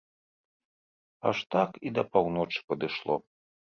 Аж так і да паўночы падышло.